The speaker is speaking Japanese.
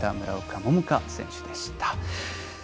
村岡桃佳選手でした。